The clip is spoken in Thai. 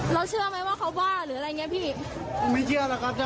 อ๋อแล้วเป็นน้องของพี่น้ำใช่ไหมคะ